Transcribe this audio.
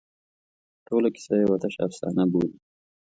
ټوله کیسه یوه تشه افسانه بولي.